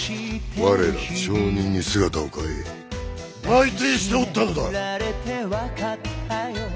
我ら町民に姿を変え内偵しておったのだ！